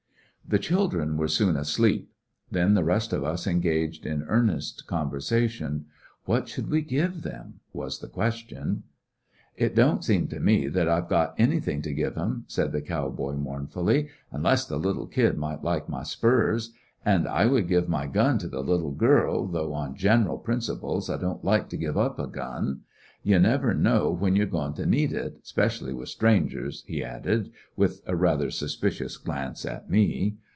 The children were soon asleep. Then the rest of us engaged in earnest conversation. What should we give them? was the question. "It don't seem to me that I 've got any thing to give 'em," said the cow boy, mourn fully, "unless the little kid might like my spurs ; an' I would give my gun to the little girl, though on general principles I don't like to give up a gun. You never know when you 're goin' to need it, specially with strangers," he added, with a rather suspicious glance at me.